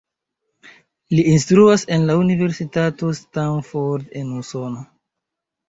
Li instruas en la Universitato Stanford en Usono.